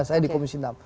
saya di komisi enam